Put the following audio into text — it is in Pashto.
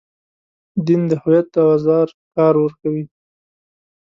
دین د هویت د اوزار کار ورکوي.